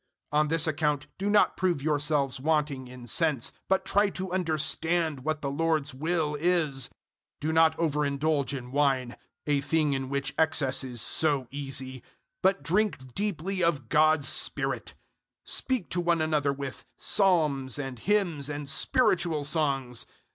005:017 On this account do not prove yourselves wanting in sense, but try to understand what the Lord's will is. 005:018 Do not over indulge in wine a thing in which excess is so easy 005:019 but drink deeply of God's Spirit. Speak to one another with psalms and hymns and spiritual songs.